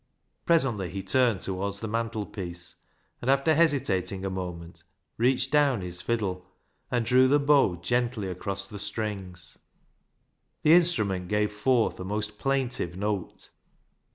Presently he turned towards the mantel piece, and, after hesitating a moment, reached down his fiddle, and drew the bow gently across the strings. The instrument gave forth a most plaintive note.